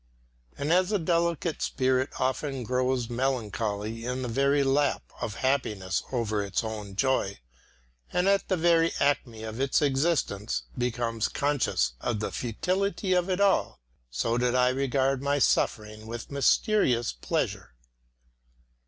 And as a delicate spirit often grows melancholy in the very lap of happiness over its own joy, and at the very acme of its existence becomes conscious of the futility of it all, so did I regard my suffering with mysterious pleasure.